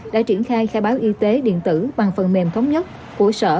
đã triển khai khai báo y tế điện tử bằng phần mềm thống nhất của sở